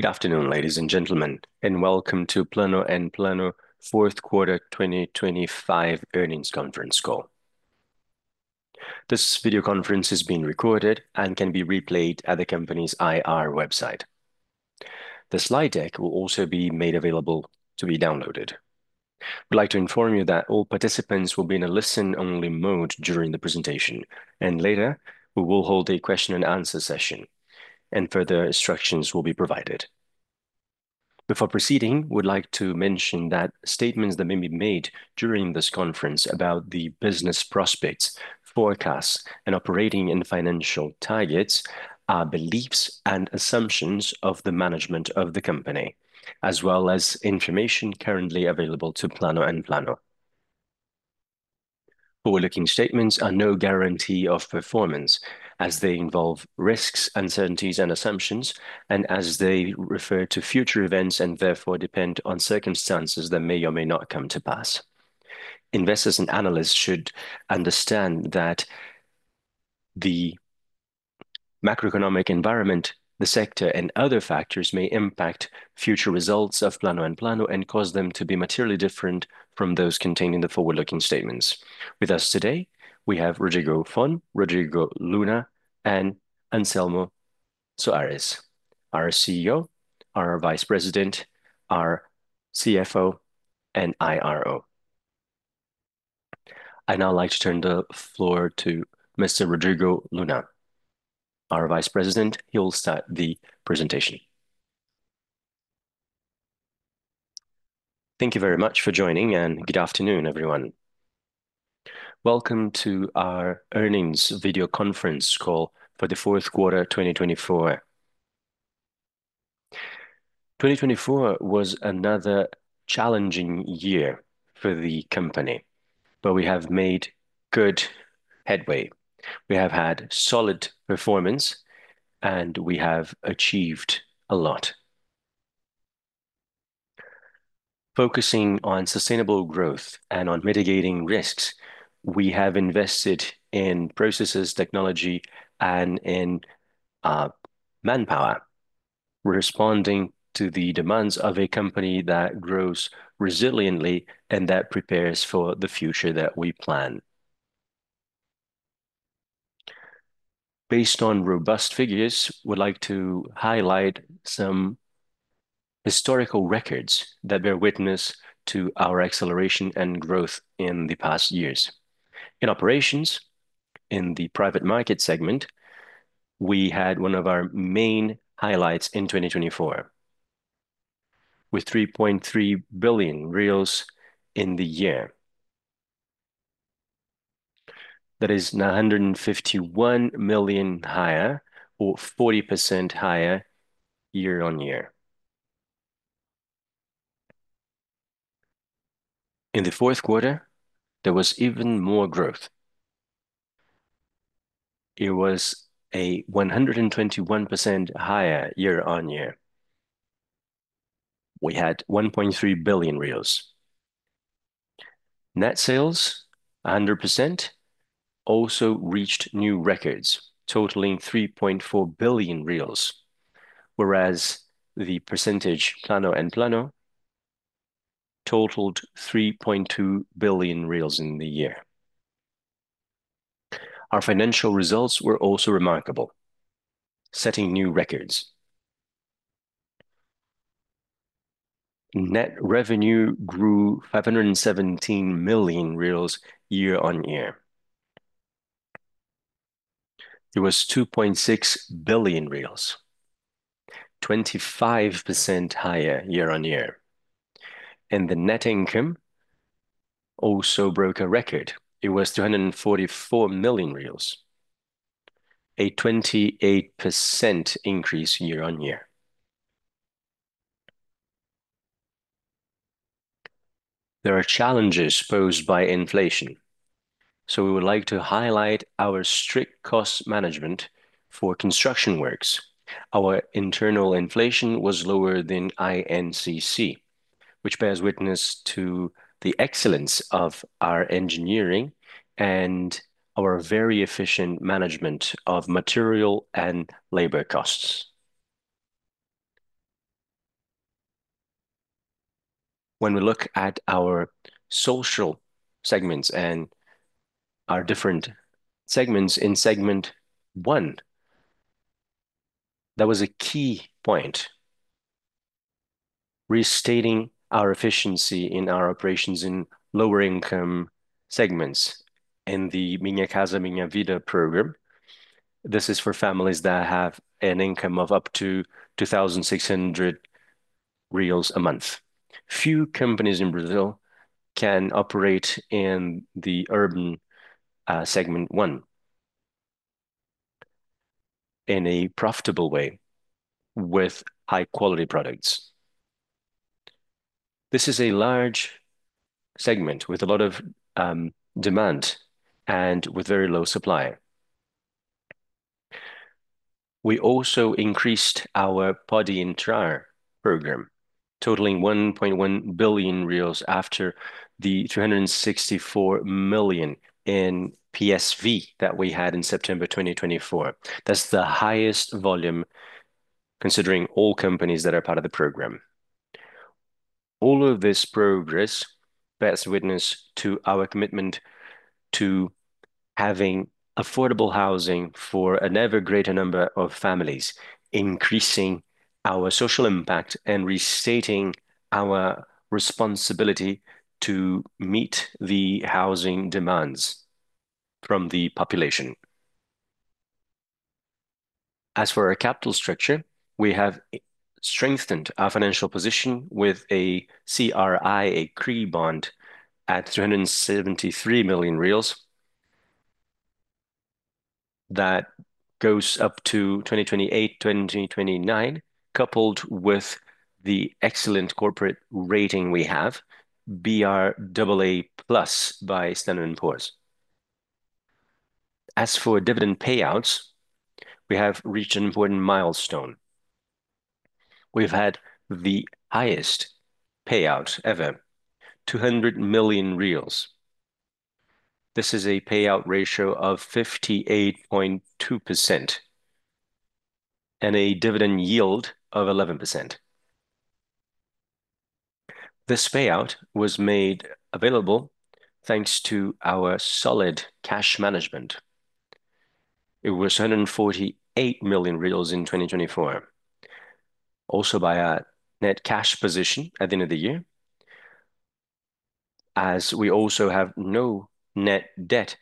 Good afternoon, ladies and gentlemen, and welcome to Plano&Plano Fourth Quarter 2025 earnings conference call. This video conference is being recorded and can be replayed at the company's IR website. The slide deck will also be made available to be downloaded. We'd like to inform you that all participants will be in a listen-only mode during the presentation, and later, we will hold a question and answer session, and further instructions will be provided. Before proceeding, we'd like to mention that statements that may be made during this conference about the business prospects, forecasts, and operating and financial targets are beliefs and assumptions of the management of the company, as well as information currently available to Plano&Plano. Forward-looking statements are no guarantee of performance as they involve risks, uncertainties and assumptions, and as they refer to future events and therefore depend on circumstances that may or may not come to pass. Investors and analysts should understand that the macroeconomic environment, the sector, and other factors may impact future results of Plano&Plano and cause them to be materially different from those contained in the forward-looking statements. With us today, we have Rodrigo Luna, Rodrigo Luna, and Anselmo Soares, our CEO, our vice president, our CFO, and IRO. I'd now like to turn the floor to Mr. Rodrigo Luna, our vice president. He will start the presentation. Thank you very much for joining, and good afternoon, everyone. Welcome to our earnings video conference call for the fourth quarter, 2024. 2024 was another challenging year for the company, but we have made good headway. We have had solid performance, and we have achieved a lot. Focusing on sustainable growth and on mitigating risks, we have invested in processes, technology, and in manpower, responding to the demands of a company that grows resiliently and that prepares for the future that we plan. Based on robust figures, we'd like to highlight some historical records that bear witness to our acceleration and growth in the past years. In operations, in the private market segment, we had one of our main highlights in 2024 with 3.3 billion reais in the year. That is now 151 million higher or 40% higher YoY. In the fourth quarter, there was even more growth. It was 121% higher YoY. We had 1.3 billion. Net sales, 100%, also reached new records totaling 3.4 billion, whereas the percentage Plano&Plano totaled 3.2 billion in the year. Our financial results were also remarkable, setting new records. Net revenue grew 517 million reais YoY. It was 2.6 billion reais, 25% higher YoY. The net income also broke a record. It was 244 million, a 28% increase YoY. There are challenges posed by inflation, so we would like to highlight our strict cost management for construction works. Our internal inflation was lower than INCC, which bears witness to the excellence of our engineering and our very efficient management of material and labor costs. When we look at our social segments and our different segments in segment one, that was a key point, restating our efficiency in our operations in lower income segments in the Minha Casa, Minha Vida program. This is for families that have an income of up to 2,600 reais a month. Few companies in Brazil can operate in the urban segment one in a profitable way with high quality products. This is a large segment with a lot of demand and with very low supply. We also increased our Pode Entrar program, totaling 1.1 billion reais after the 364 million in PSV that we had in September 2024. That's the highest volume considering all companies that are part of the program. All of this progress bears witness to our commitment to having affordable housing for an ever greater number of families, increasing our social impact and restating our responsibility to meet the housing demands from the population. As for our capital structure, we have strengthened our financial position with a CRI, a CRI bond, at BRL 373 million. That goes up to 2028, 2029, coupled with the excellent corporate rating we have, brAA+ by S&P Global Ratings. As for dividend payouts, we have reached an important milestone. We've had the highest payout ever, 200 million reais. This is a payout ratio of 58.2% and a dividend yield of 11%. This payout was made available thanks to our solid cash management. It was 148 million in 2024. Also by our net cash position at the end of the year, as we also have no net debt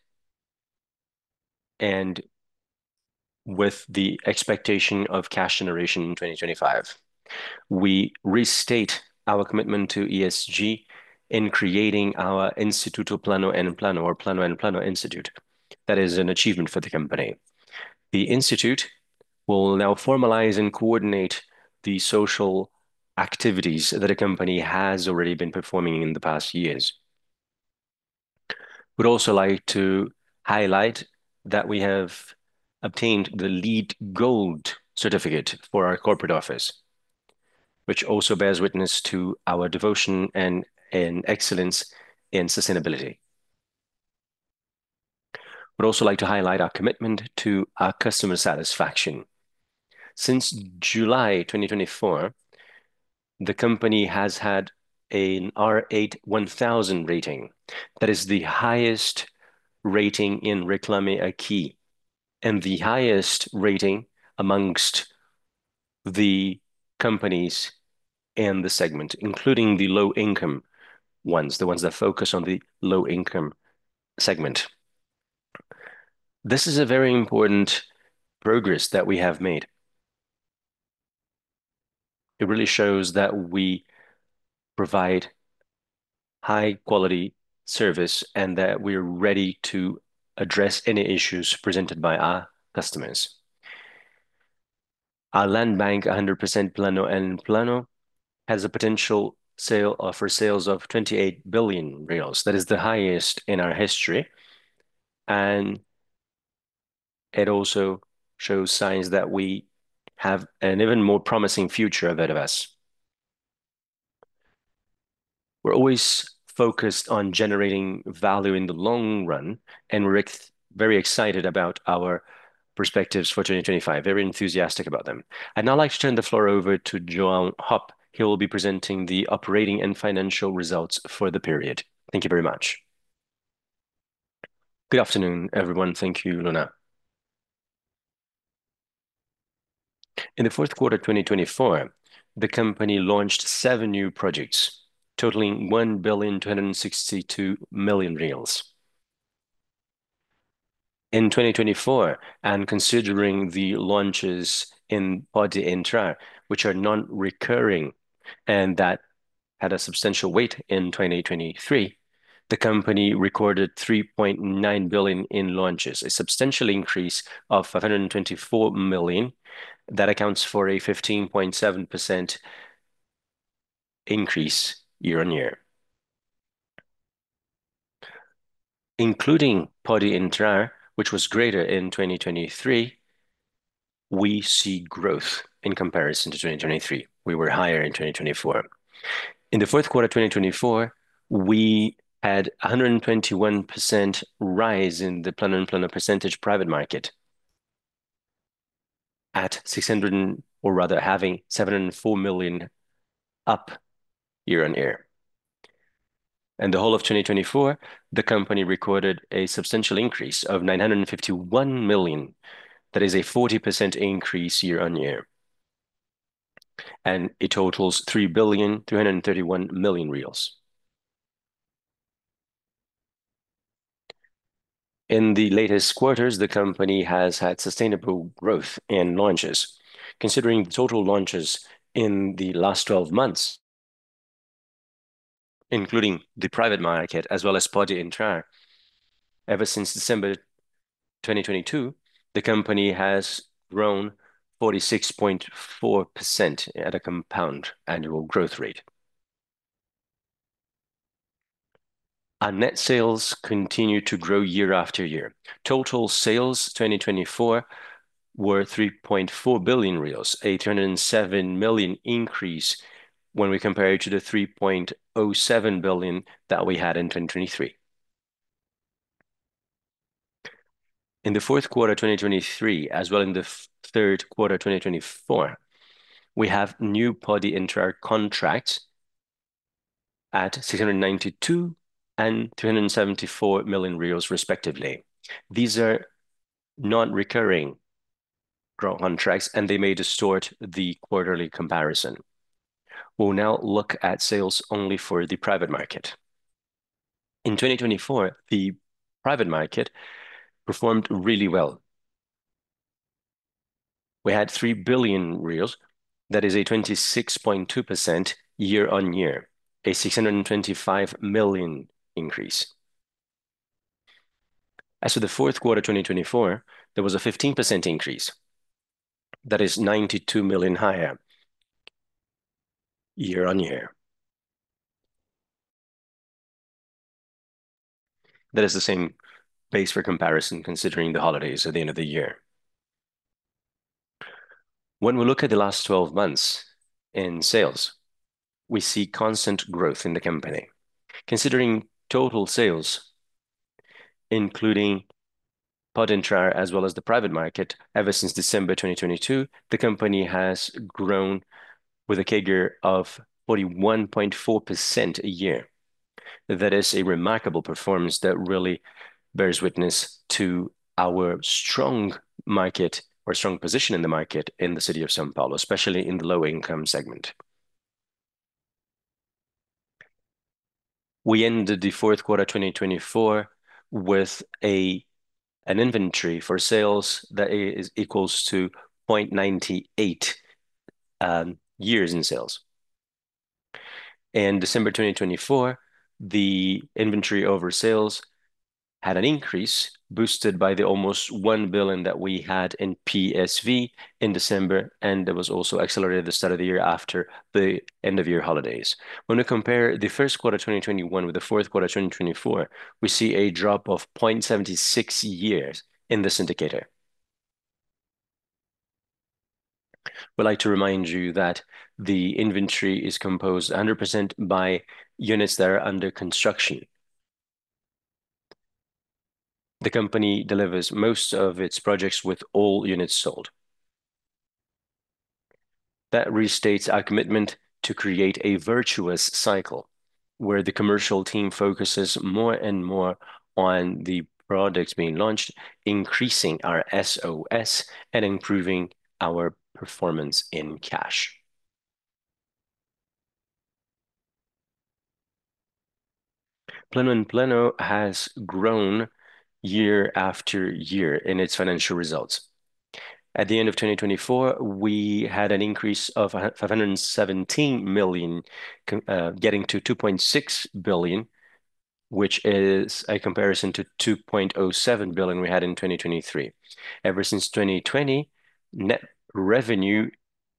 and with the expectation of cash generation in 2025. We restate our commitment to ESG in creating our Instituto Plano&Plano, or Plano&Plano Institute. That is an achievement for the company. The institute will now formalize and coordinate the social activities that a company has already been performing in the past years. We'd also like to highlight that we have obtained the LEED Gold certificate for our corporate office, which also bears witness to our devotion and excellence in sustainability. We'd also like to highlight our commitment to our customer satisfaction. Since July 2024, the company has had an RA1000 rating. That is the highest rating in Reclame Aqui, and the highest rating amongst the companies in the segment, including the low income ones, the ones that focus on the low income segment. This is a very important progress that we have made. It really shows that we provide high quality service and that we're ready to address any issues presented by our customers. Our land bank, 100% Plano&Plano, has a potential sale for sales of 28 billion reais. That is the highest in our history, and it also shows signs that we have an even more promising future ahead of us. We're always focused on generating value in the long run, and we're very excited about our perspectives for 2025, very enthusiastic about them. I'd now like to turn the floor over to João Hoppe. He will be presenting the operating and financial results for the period. Thank you very much. Good afternoon, everyone. Thank you, Luna. In the fourth quarter, 2024, the company launched seven new projects totaling BRL 1.262 billion. In 2024, considering the launches in Pode Entrar, which are non-recurring and that had a substantial weight in 2023, the company recorded 3.9 billion in launches, a substantial increase of 524 million. That accounts for a 15.7% increase YoY. Including Pode Entrar, which was greater in 2023, we see growth in comparison to 2023. We were higher in 2024. In the Fourth Quarter, 2024, we had a 121% rise in Plano&Plano PSV private market at having BRL 704 million up YoY. In the whole of 2024, the company recorded a substantial increase of 951 million. That is a 40% increase YoY, and it totals BRL 3.331 billion. In the latest quarters, the company has had sustainable growth in launches. Considering the total launches in the last 12 months, including the private market as well as Pode Entrar, ever since December 2022, the company has grown 46.4% at a compound annual growth rate. Our net sales continued to grow year after year. Total sales 2024 were 3.4 billion, a 207 million increase when we compare it to the 3.07 billion that we had in 2023. In the Fourth Quarter 2023, as well in the third quarter 2024, we have new Pode Entrar contracts at 692 million and 374 million respectively. These are non-recurring growth contracts, and they may distort the quarterly comparison. We'll now look at sales only for the private market. In 2024, the private market performed really well. We had 3 billion reais. That is a 26.2% YoY, a 625 million increase. As for the fourth quarter of 2024, there was a 15% increase. That is 92 million higher YoY. That is the same base for comparison considering the holidays at the end of the year. When we look at the last 12 months in sales, we see constant growth in the company. Considering total sales, including Pode Entrar as well as the private market, ever since December 2022, the company has grown with a CAGR of 41.4% a year. That is a remarkable performance that really bears witness to our strong market or strong position in the market in the city of São Paulo, especially in the low income segment. We ended the fourth quarter 2024 with an inventory for sales that is equal to 0.98 years in sales. In December 2024, the inventory over sales had an increase boosted by the almost 1 billion that we had in PSV in December, and that was also accelerated at the start of the year after the end of year holidays. When we compare the first quarter 2021 with the fourth quarter 2024, we see a drop of 0.76 years in this indicator. We'd like to remind you that the inventory is composed 100% by units that are under construction. The company delivers most of its projects with all units sold. That restates our commitment to create a virtuous cycle where the commercial team focuses more and more on the products being launched, increasing our VSO and improving our performance in cash. Plano&Plano has grown year after year in its financial results. At the end of 2024, we had an increase of 517 million, getting to 2.6 billion, which is a comparison to 2.07 billion we had in 2023. Ever since 2020, net revenue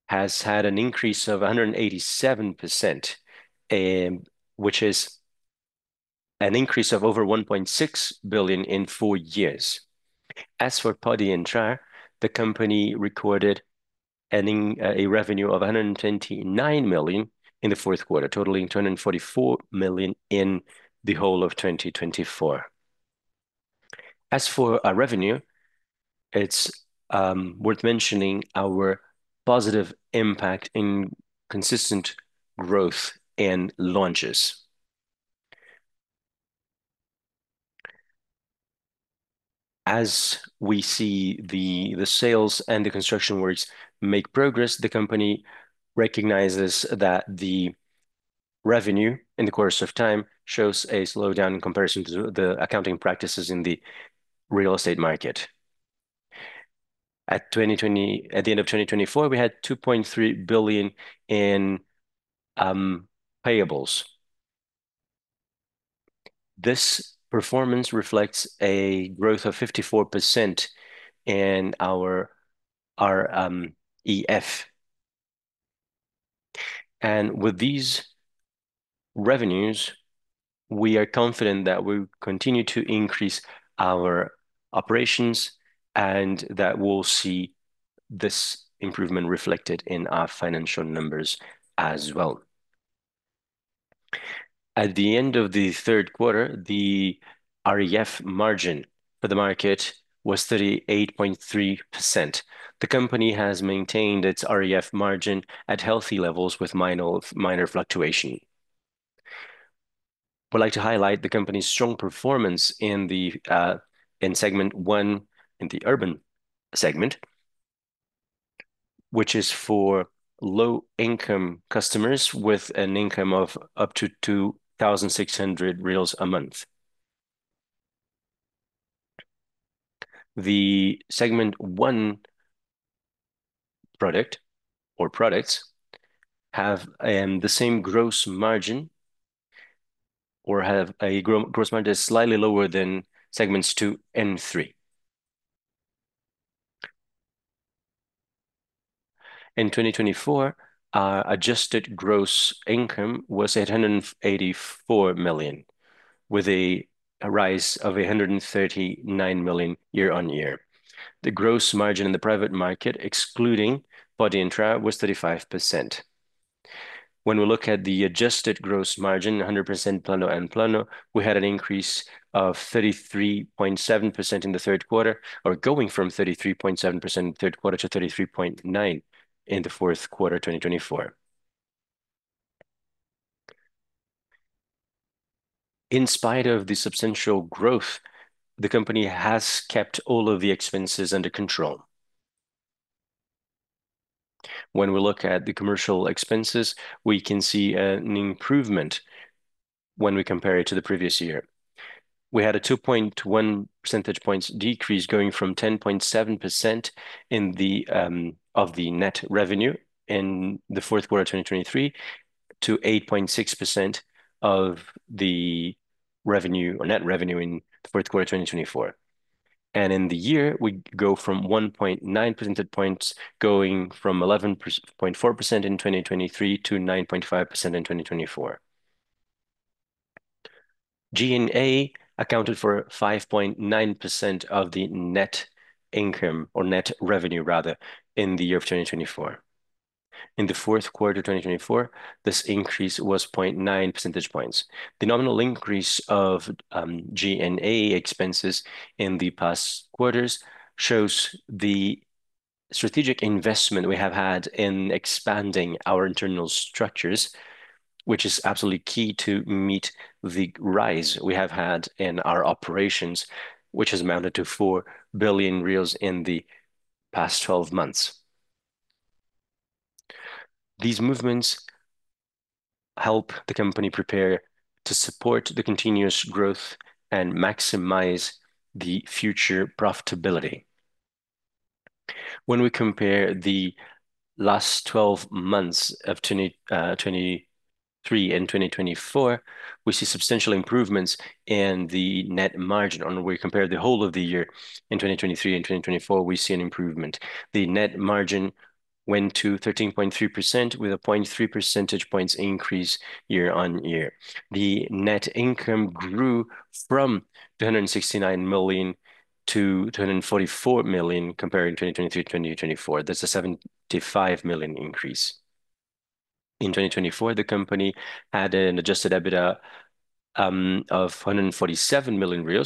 has had an increase of 187%, which is an increase of over 1.6 billion in four years. As for Pode Entrar, the company recorded a revenue of 129 million in the fourth quarter, totaling 244 million in the whole of 2024. As for our revenue, it's worth mentioning our positive impact in consistent growth in launches. As we see the sales and the construction works make progress, the company recognizes that the revenue in the course of time shows a slowdown in comparison to the accounting practices in the real estate market. At the end of 2024, we had 2.3 billion in payables. This performance reflects a growth of 54% in our REF. With these revenues, we are confident that we'll continue to increase our operations and that we'll see this improvement reflected in our financial numbers as well. At the end of the third quarter, the REF margin for the market was 38.3%. The company has maintained its REF margin at healthy levels with minor fluctuation. We'd like to highlight the company's strong performance in segment one in the urban segment, which is for low income customers with an income of up to 2,600 reais a month. The segment one product or products have the same gross margin or have a gross margin that's slightly lower than segments two and three. In 2024, our adjusted gross income was 184 million, with a rise of 139 million YoY. The gross margin in the private market, excluding Pode Entrar, was 35%. When we look at the adjusted gross margin, 100% Plano&Plano, we had an increase of 33.7% in the third quarter, or going from 33.7% in the third quarter to 33.9% in the fourth quarter 2024. In spite of the substantial growth, the company has kept all of the expenses under control. When we look at the commercial expenses, we can see an improvement when we compare it to the previous year. We had a 2.1 percentage points decrease, going from 10.7% in the of the net revenue in the fourth quarter 2023 to 8.6% of the revenue or net revenue in the fourth quarter 2024. In the year, we go from 1.9 percentage points, going from 11.4% in 2023 to 9.5% in 2024. G&A accounted for 5.9% of the net income, or net revenue rather, in the year of 2024. In the Fourth Quarter 2024, this increase was 0.9 percentage points. The nominal increase of G&A expenses in the past quarters shows the strategic investment we have had in expanding our internal structures, which is absolutely key to meet the rise we have had in our operations, which has amounted to 4 billion reais in the past twelve months. These movements help the company prepare to support the continuous growth and maximize the future profitability. When we compare the last twelve months of 2023 and 2024, we see substantial improvements in the net margin, and we compare the whole of the year in 2023 and 2024, we see an improvement. The net margin went to 13.3% with a 0.3 percentage points increase YoY. The net income grew from 269 million - 244 million comparing 2023 - 2024. That's a 75 million increase. In 2024, the company had an adjusted EBITDA of 147 million,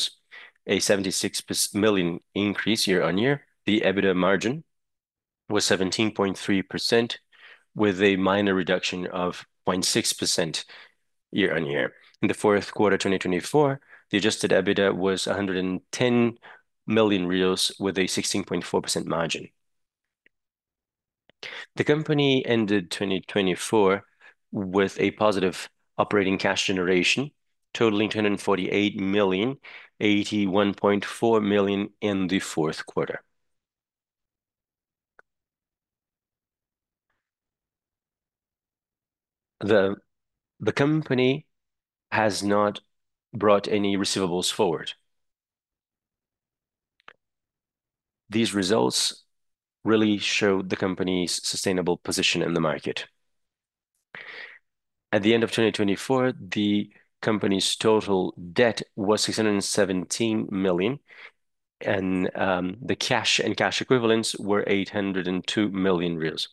a 76 million increase YoY. The EBITDA margin was 17.3% with a minor reduction of 0.6% YoY. In the fourth quarter 2024, the Adjusted EBITDA was 110 million with a 16.4% margin. The company ended 2024 with a positive operating cash generation totaling 248 million, 81.4 million in the fourth quarter. The company has not brought any receivables forward. These results really show the company's sustainable position in the market. At the end of 2024, the company's total debt was 617 million and the cash and cash equivalents were 802 million reais.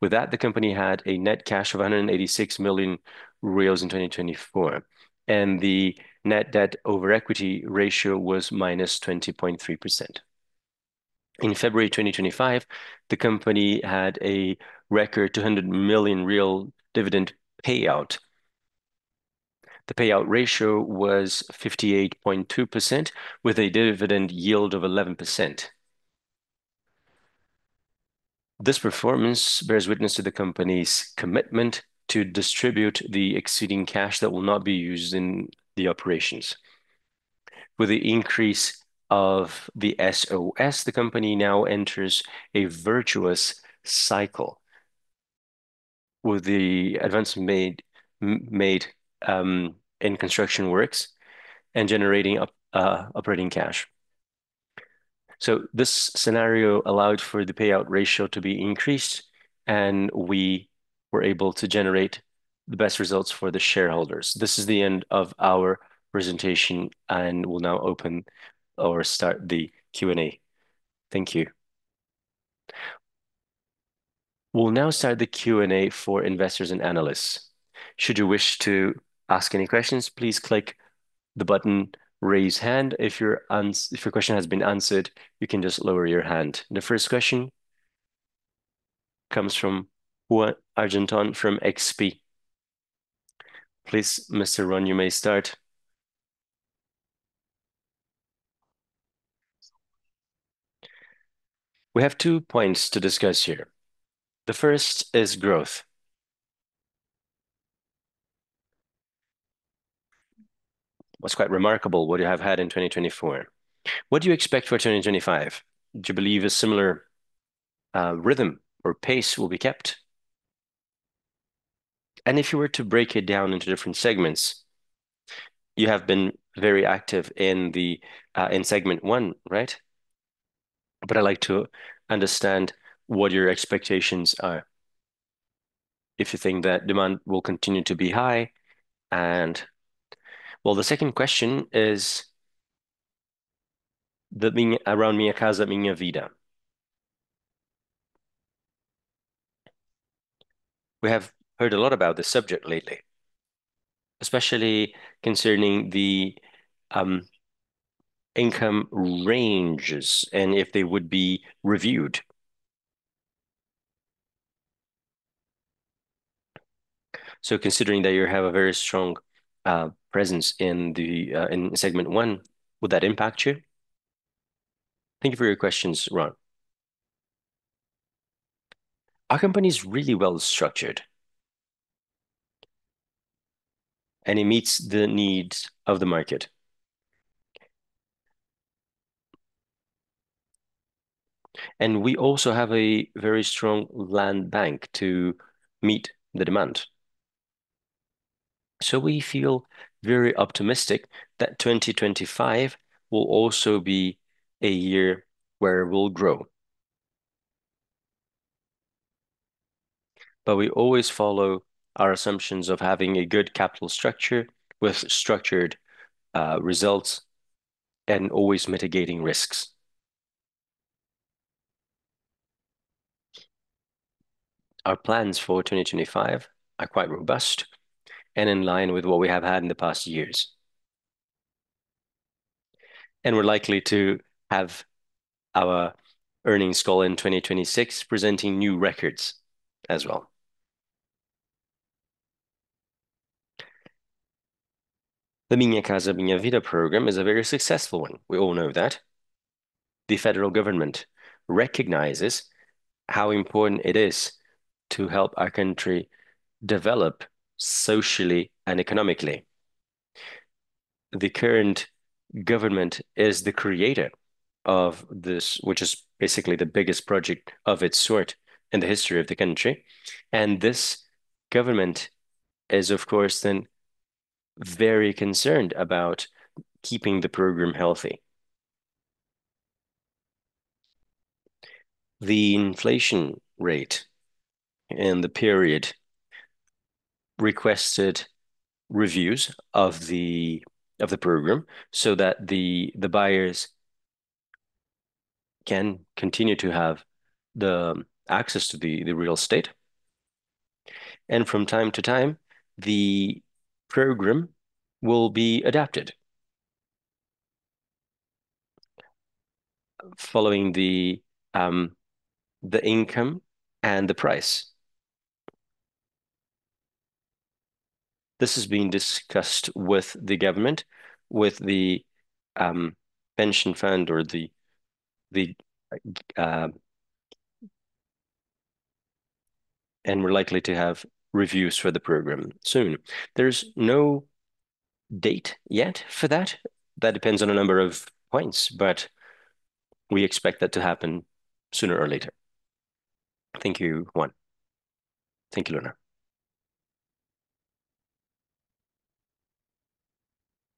With that, the company had a net cash of 186 million reais in 2024, and the net debt over equity ratio was -20.3%. In February 2025, the company had a record 200 million real dividend payout. The payout ratio was 58.2% with a dividend yield of 11%. This performance bears witness to the company's commitment to distribute the exceeding cash that will not be used in the operations. With the increase of the VSO, the company now enters a virtuous cycle with the advances made in construction works and generating operating cash. This scenario allowed for the payout ratio to be increased, and we were able to generate the best results for the shareholders. This is the end of our presentation, and we'll now open or start the Q&A. Thank you. We'll now start the Q&A for investors and analysts. Should you wish to ask any questions, please click the button Raise Hand. If your question has been answered, you can just lower your hand. The first question comes from Ruan Argenton from XP. Please, Mr. Argenton, you may start. We have two points to discuss here. The first is growth. It was quite remarkable what you have had in 2024. What do you expect for 2025? Do you believe a similar rhythm or pace will be kept? If you were to break it down into different segments, you have been very active in the in segment one, right? But I'd like to understand what your expectations are if you think that demand will continue to be high. Well, the second question is around Minha Casa, Minha Vida. We have heard a lot about this subject lately, especially concerning the income ranges and if they would be reviewed. Considering that you have a very strong presence in segment one, would that impact you? Thank you for your questions, Ruan. Our company is really well-structured, and it meets the needs of the market. We also have a very strong land bank to meet the demand. We feel very optimistic that 2025 will also be a year where we'll grow. We always follow our assumptions of having a good capital structure with structured results and always mitigating risks. Our plans for 2025 are quite robust and in line with what we have had in the past years. We're likely to have our earnings call in 2026 presenting new records as well. The Minha Casa, Minha Vida program is a very successful one. We all know that. The federal government recognizes how important it is to help our country develop socially and economically. The current government is the creator of this, which is basically the biggest project of its sort in the history of the country. This government is, of course, then very concerned about keeping the program healthy. The inflation rate and the period requested reviews of the program so that the buyers can continue to have the access to the real estate. From time to time, the program will be adapted following the income and the price. This is being discussed with the government, with the pension fund or the. We're likely to have reviews for the program soon. There's no date yet for that. That depends on a number of points, but we expect that to happen sooner or later. Thank you, Ruan. Thank you, Luna.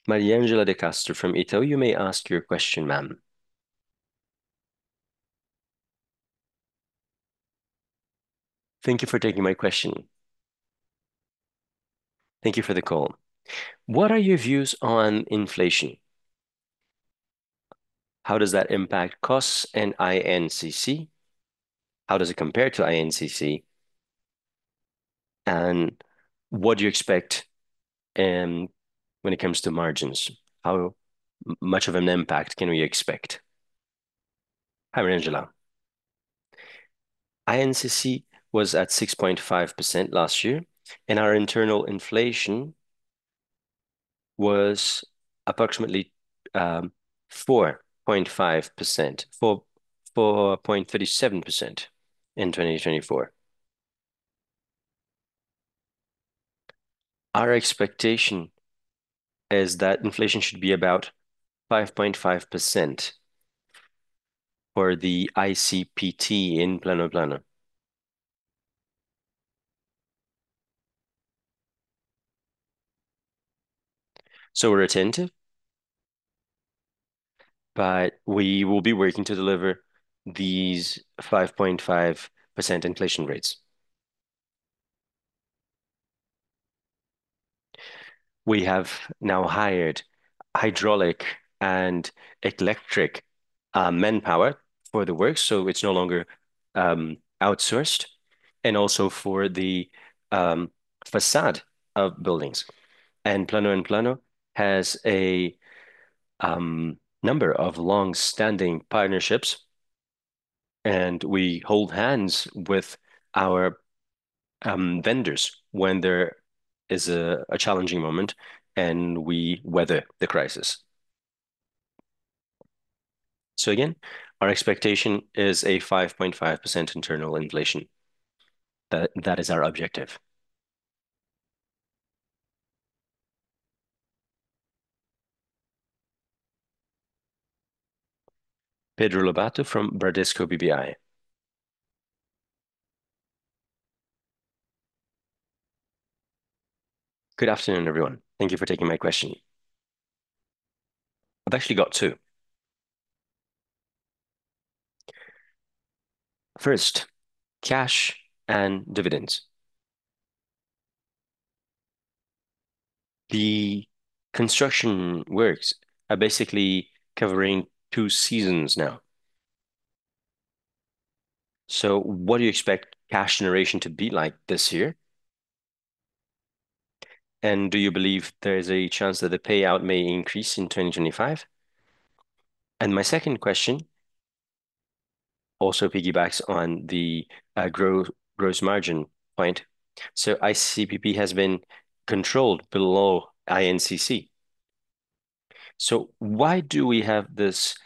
Mariangela Castro from Itaú, you may ask your question, ma'am. Thank you for taking my question. Thank you for the call. What are your views on inflation? How does that impact costs and INCC? How does it compare to INCC? And what do you expect when it comes to margins? How much of an impact can we expect? Mariangela, INCC was at 6.5% last year, and our internal inflation was approximately 4.37% in 2024. Our expectation is that inflation should be about 5.5% for the ICPT Plano&Plano. We're attentive, but we will be working to deliver these 5.5% inflation rates. We have now hired hydraulic and electric manpower for the work, so it's no longer outsourced, and also for the façade of Plano&Plano has a number of long-standing partnerships, and we hold hands with our vendors when there is a challenging moment, and we weather the crisis. Again, our expectation is a 5.5% internal inflation. That is our objective. Pedro Lobato from Bradesco BBI. Good afternoon, everyone. Thank you for taking my question. I've actually got two. First, cash and dividends. The construction works are basically covering two seasons now. What do you expect cash generation to be like this year? Do you believe there is a chance that the payout may increase in 2025? My second question also piggybacks on the gross margin point. ICPP has been controlled below INCC. Why do we have this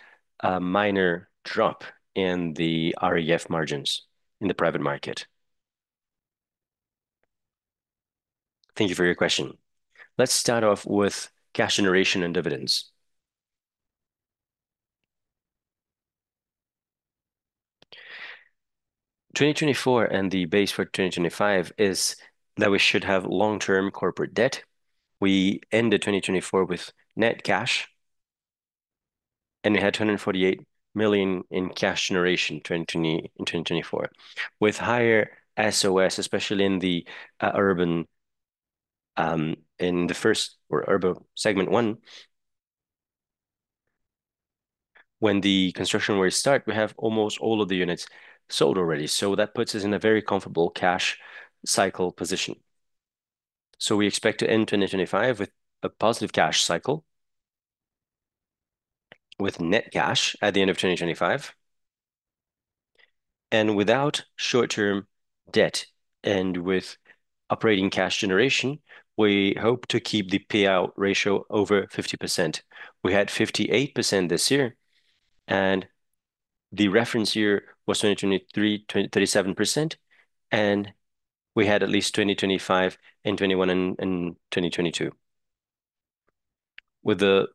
minor drop in the REF margins in the private market? Thank you for your question. Let's start off with cash generation and dividends. 2024 and the base for 2025 is that we should have long-term corporate debt. We ended 2024 with net cash, and it had 248 million in cash generation in 2024. With higher VSO, especially in the urban or urban segment one, when construction starts, we have almost all of the units sold already, so that puts us in a very comfortable cash cycle position. We expect to end 2025 with a positive cash cycle with net cash at the end of 2025 and without short-term debt. With operating cash generation, we hope to keep the payout ratio over 50%. We had 58% this year, and the reference year was 2023, 37%, and we had at least 25% in 2021 and 2022. With the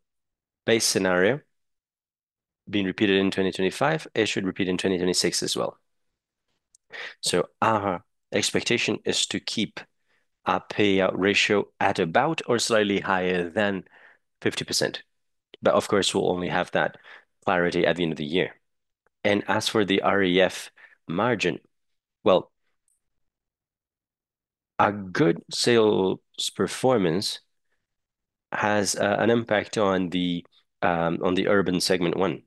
base scenario being repeated in 2025, it should repeat in 2026 as well. Our expectation is to keep our payout ratio at about or slightly higher than 50%. Of course, we'll only have that clarity at the end of the year. As for the REF margin, well, a good sales performance has an impact on the urban segment one.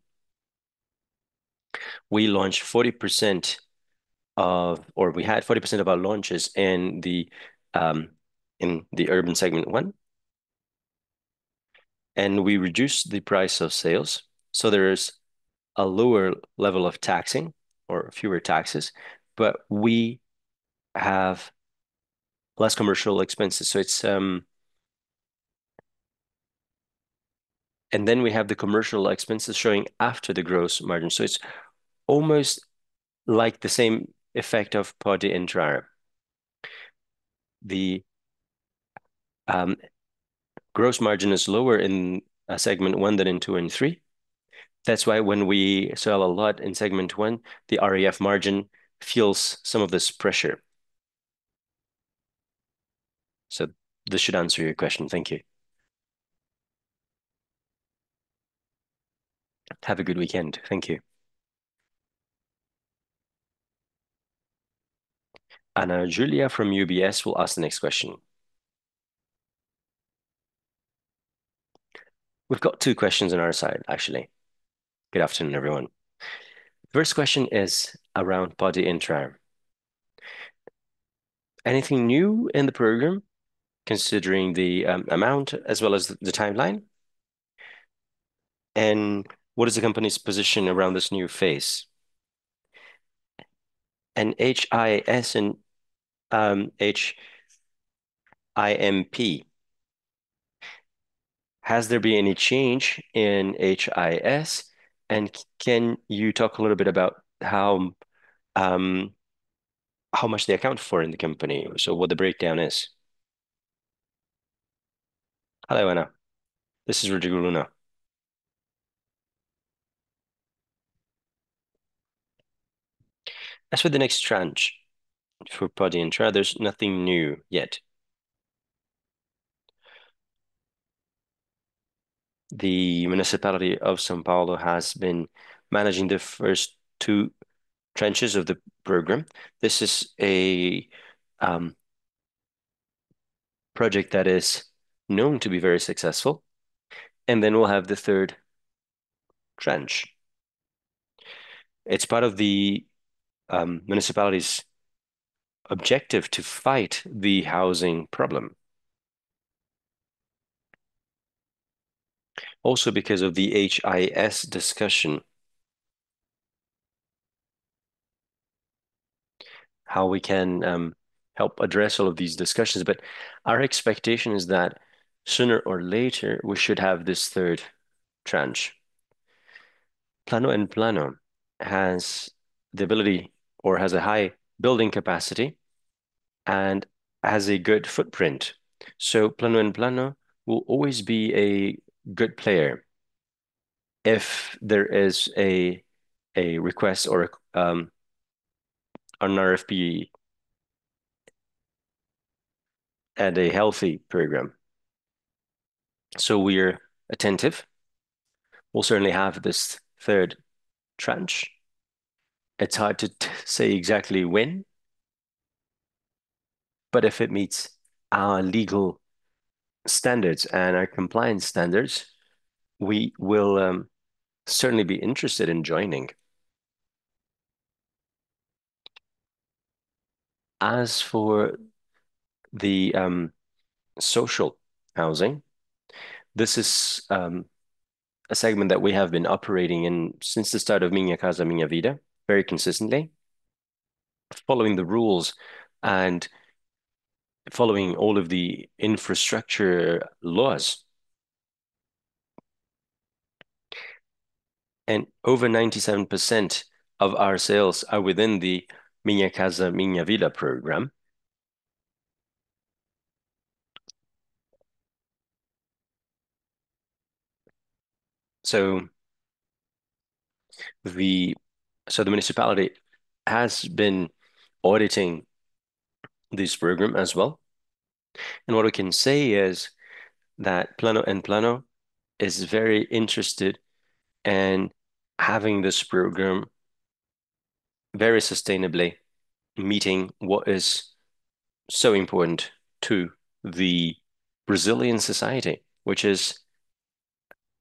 We launched 40% or we had 40% of our launches in the urban segment one, and we reduced the price of sales, so there is a lower level of taxing or fewer taxes, but we have less commercial expenses, so it's. We have the commercial expenses showing after the gross margin. It's almost like the same effect of Pode Entrar. The gross margin is lower in segment one than in two and three. That's why when we sell a lot in segment one, the REF margin fuels some of this pressure. This should answer your question. Thank you. Have a good weekend. Thank you. Ana-Julia from UBS will ask the next question. We've got two questions on our side, actually. Good afternoon, everyone. The first question is around Pode Entrar. Anything new in the program considering the amount as well as the timeline? What is the company's position around this new phase? HIS and HMP, has there been any change in HIS? Can you talk a little bit about how much they account for in the company, so what the breakdown is? Hello, Ana. This is Rodrigo Luna. As for the next tranche for Pode Entrar, there's nothing new yet. The municipality of São Paulo has been managing the first two tranches of the program. This is a project that is known to be very successful, and then we'll have the third tranche. It's part of the municipality's objective to fight the housing problem. Also because of the HIS discussion, how we can help address all of these discussions. Our expectation is that sooner or later we should have this Plano&Plano has the ability or has a high building capacity and has a good footprint. Plano&Plano will always be a good player if there is a request or an RFP and a healthy program. We're attentive. We'll certainly have this third tranche. It's hard to say exactly when, but if it meets our legal standards and our compliance standards, we will certainly be interested in joining. As for the social housing, this is a segment that we have been operating in since the start of Minha Casa, Minha Vida very consistently, following the rules and following all of the infrastructure laws. Over 97% of our sales are within the Minha Casa, Minha Vida program. The municipality has been auditing this program as well. What we can say Plano&Plano is very interested in having this program very sustainably meeting what is so important to the Brazilian society, which is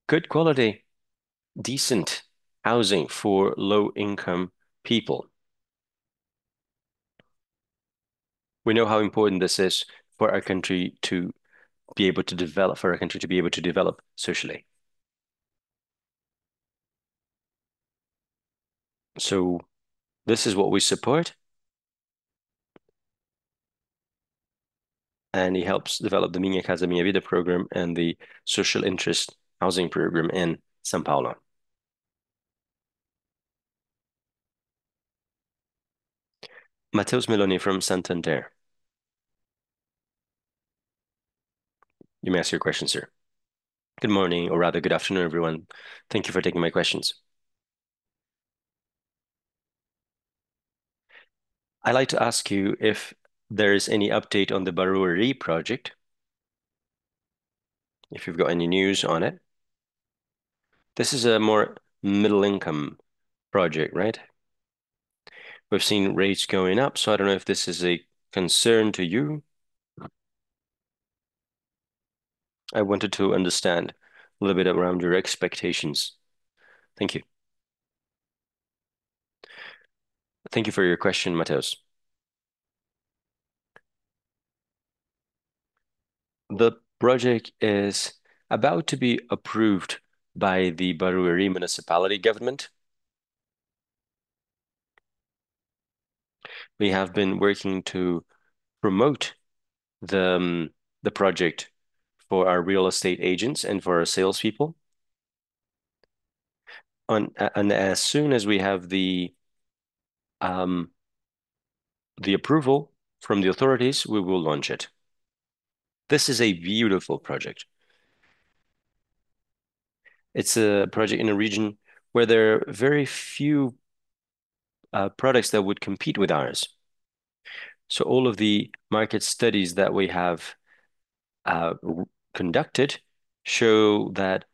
good quality, decent housing for low income people. We know how important this is for our country to be able to develop socially. This is what we support, and it helps develop the Minha Casa, Minha Vida program and the social interest housing program in São Paulo. Matheus Meloni from Santander. You may ask your question, sir. Good morning, or rather good afternoon, everyone. Thank you for taking my questions. I'd like to ask you if there is any update on the Barueri project, if you've got any news on it. This is a more middle-income project, right? We've seen rates going up, so I don't know if this is a concern to you. I wanted to understand a little bit around your expectations. Thank you. Thank you for your question, Matheus. The project is about to be approved by the Barueri municipal government. We have been working to promote the project for our real estate agents and for our salespeople. As soon as we have the approval from the authorities, we will launch it. This is a beautiful project. It's a project in a region where there are very few products that would compete with ours. All of the market studies that we have conducted show that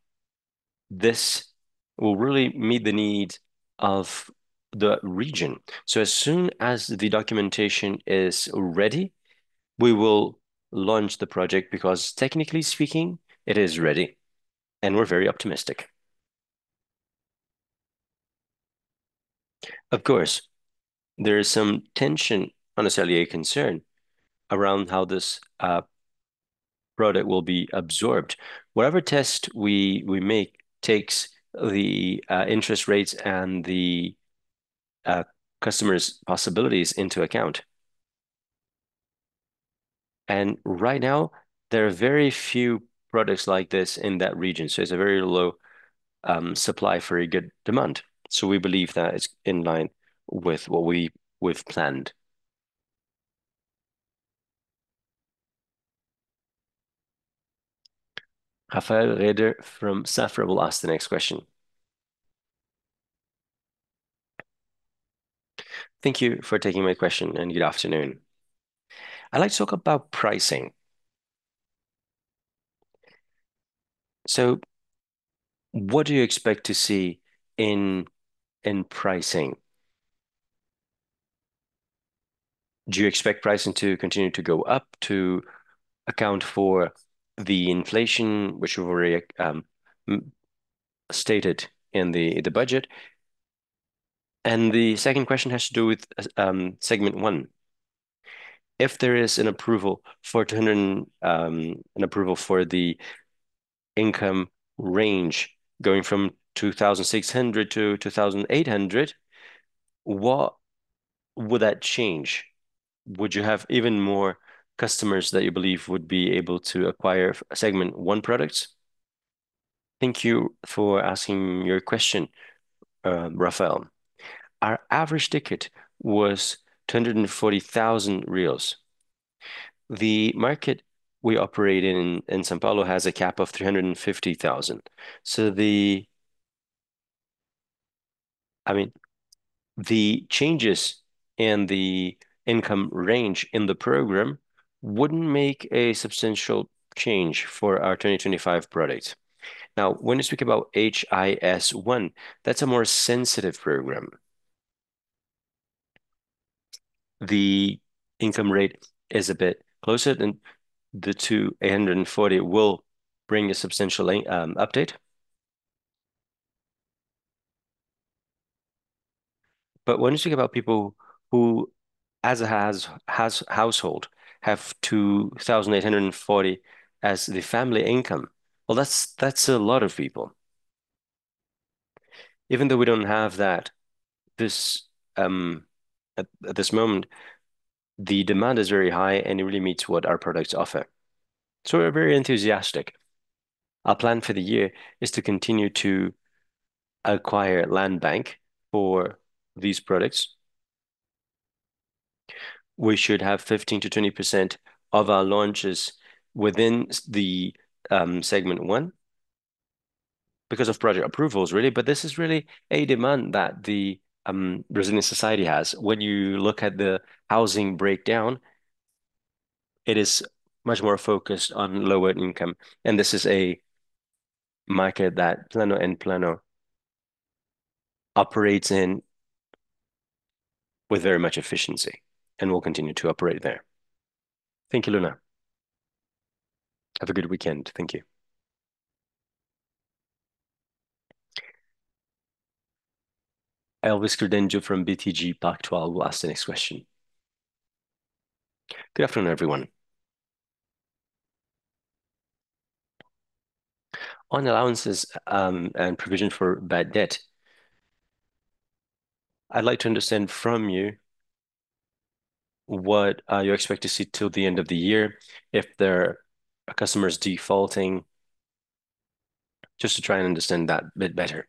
this will really meet the need of the region. As soon as the documentation is ready, we will launch the project because technically speaking, it is ready, and we're very optimistic. Of course, there is some tension and necessarily a concern around how this product will be absorbed. Whatever test we make takes the interest rates and the customer's possibilities into account. Right now there are very few products like this in that region, so it's a very low supply for a good demand. We believe that it's in line with what we've planned. Rafael Rehder from Safra will ask the next question. Thank you for taking my question, and good afternoon. I'd like to talk about pricing. What do you expect to see in pricing? Do you expect pricing to continue to go up to account for the inflation which you've already stated in the budget? The second question has to do with segment one. If there is an approval for the income range going from 2,600 to 2,800, what would that change? Would you have even more customers that you believe would be able to acquire a segment one product? Thank you for asking your question, Rafael. Our average ticket was 240 thousand reais. The market we operate in São Paulo has a cap of 350 thousand. I mean, the changes in the income range in the program wouldn't make a substantial change for our 2025 products. Now, when you speak about HIS1, that's a more sensitive program. The income rate is a bit closer than the 240 will bring a substantial update. When you think about people who as a household have 2,840 as the family income, well, that's a lot of people. Even though we don't have that, this at this moment, the demand is very high, and it really meets what our products offer. We're very enthusiastic. Our plan for the year is to continue to acquire land bank for these products. We should have 15%-20% of our launches within the segment one because of project approvals, really. This is really a demand that the Brazilian society has. When you look at the housing breakdown, it is much more focused on lower income. This is a Plano&Plano operates in with very much efficiency and will continue to operate there. Thank you, Luna. Have a good weekend. Thank you. Elvis Credendio from BTG Pactual will ask the next question. Good afternoon, everyone. On allowances, and provision for bad debt, I'd like to understand from you what you expect to see till the end of the year if there are customers defaulting, just to try and understand that bit better.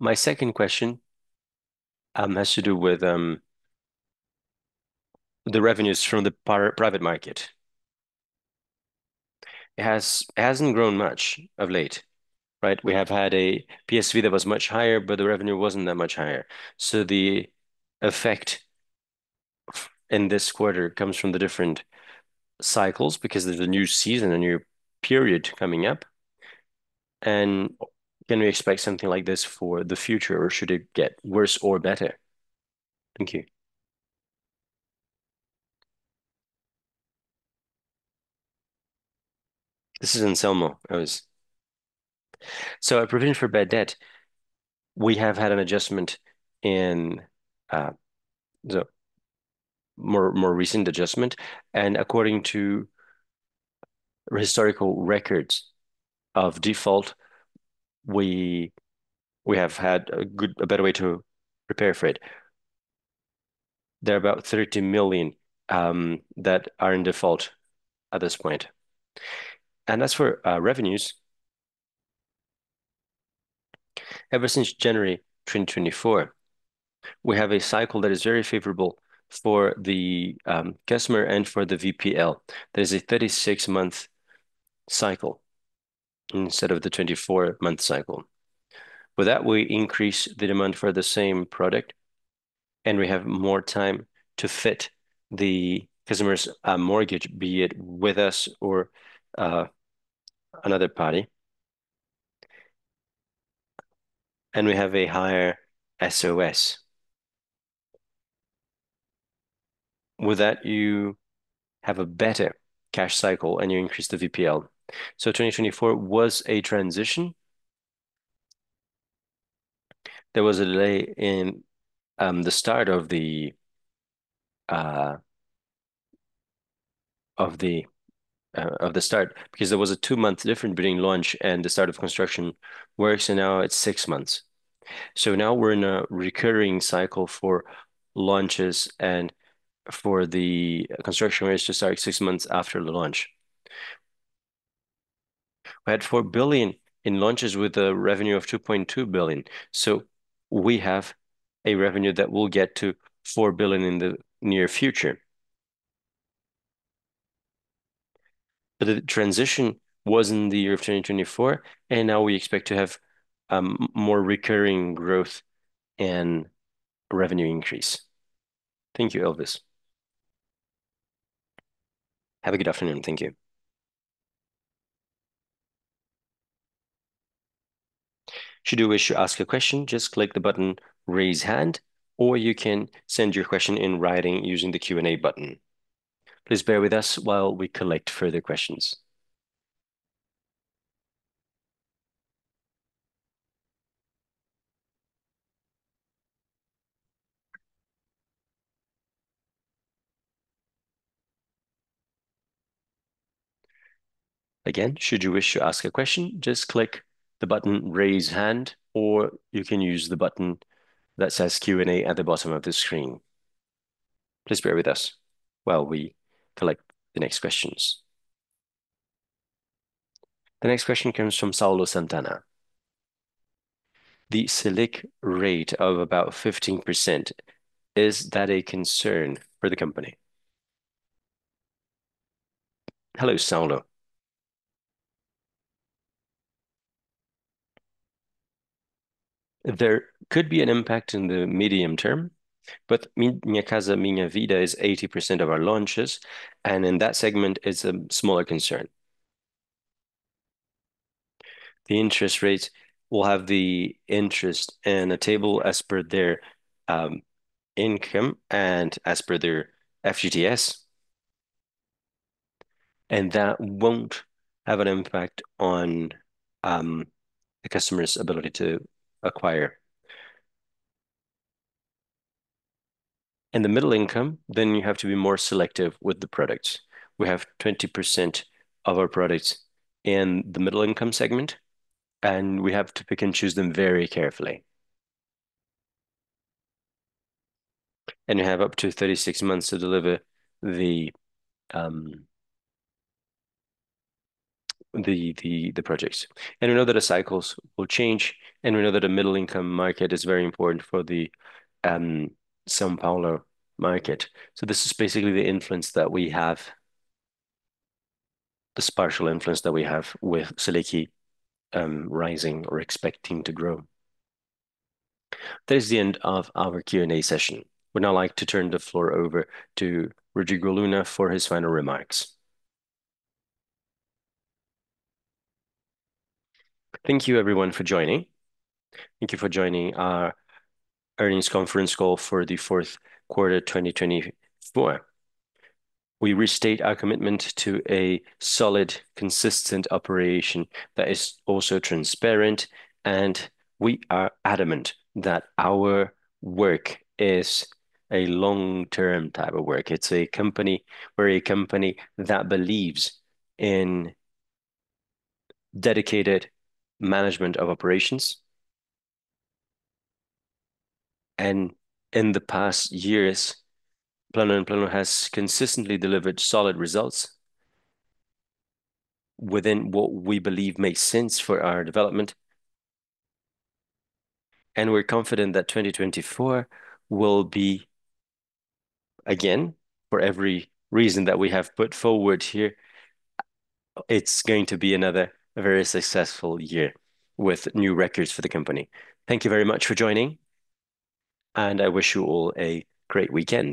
My second question has to do with the revenues from the private market. It hasn't grown much of late, right? We have had a PSV that was much higher, but the revenue wasn't that much higher. The effect in this quarter comes from the different cycles because there's a new season, a new period coming up. Can we expect something like this for the future, or should it get worse or better? Thank you. This is Anselmo, Elvis. A provision for bad debt, we have had an adjustment in the more recent adjustment. According to historical records of default, we have had a better way to prepare for it. There are about 32 million that are in default at this point. As for revenues, ever since January 2024, we have a cycle that is very favorable for the customer and for the VPL. There's a 36-month cycle instead of the 24-month cycle. With that, we increase the demand for the same product, and we have more time to fit the customer's mortgage, be it with us or another party. We have a higher VSO. With that, you have a better cash cycle, and you increase the VPL. 2024 was a transition. There was a delay in the start because there was a two-month difference between launch and the start of construction, whereas now it's six months. Now we're in a recurring cycle for launches and for the construction, which is starting six months after the launch. We had 4 billion in launches with a revenue of 2.2 billion. We have a revenue that will get to 4 billion in the near future. The transition was in the year of 2024, and now we expect to have more recurring growth and revenue increase. Thank you, Elvis. Have a good afternoon. Thank you. Should you wish to ask a question, just click the button Raise Hand, or you can send your question in writing using the Q&A button. Please bear with us while we collect further questions. Again, should you wish to ask a question, just click the button Raise Hand, or you can use the button that says Q&A at the bottom of the screen. Please bear with us while we collect the next questions. The next question comes from Saulo Santana. The Selic rate of about 15%, is that a concern for the company? Hello, Saulo. There could be an impact in the medium term, but Minha Casa, Minha Vida is 80% of our launches, and in that segment is a smaller concern. The interest rates will have the interest in a table as per their income and as per their FGTS, and that won't have an impact on the customer's ability to acquire. In the middle income, then you have to be more selective with the products. We have 20% of our products in the middle income segment, and we have to pick and choose them very carefully. You have up to 36 months to deliver the projects. We know that the cycles will change, and we know that the middle income market is very important for the São Paulo market. This is basically the influence that we have, the partial influence that we have with Selic rising or expecting to grow. This is the end of our Q&A session. We'd now like to turn the floor over to Rodrigo Luna for his final remarks. Thank you everyone for joining. Thank you for joining our earnings conference call for the fourth quarter of 2024. We restate our commitment to a solid, consistent operation that is also transparent, and we are adamant that our work is a long-term type of work. We're a company that believes in dedicated management of operations. In the past years, Plano&Plano has consistently delivered solid results within what we believe makes sense for our development. We're confident that 2024 will be, again, for every reason that we have put forward here, it's going to be another very successful year with new records for the company. Thank you very much for joining, and I wish you all a great weekend.